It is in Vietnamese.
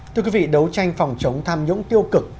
thưa quý vị đấu tranh phòng chống tham nhũng tiêu cực